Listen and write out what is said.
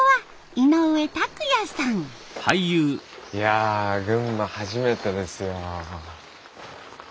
いや群馬初めてですよ。